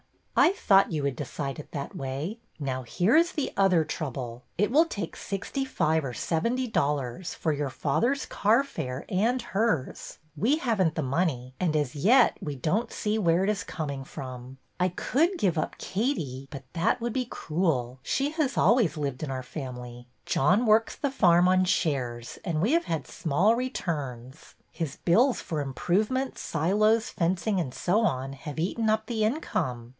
I thought you would decide it that way. Now, here is the other trouble. It will take sixty five or seventy dollars for your father's carfare and hers. We have n't the money, and as yet we don't see where it is coming from. I could give up Katie, but that would be cruel. She has always lived in our family. John works the farm on shares, and we have had small returns. His bills for improvements, silos, fencing, and so on, have eaten up the income.